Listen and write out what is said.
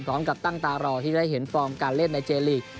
พร้อมกับตั้งตารอที่จะได้เห็นฟอร์มการเล่นในเจลีก